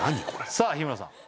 さあ日村さん